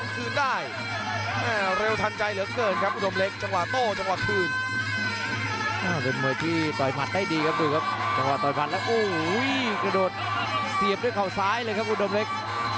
ซ้ายกระแทกลำตัวอีกแล้วครับอุธมเล็ก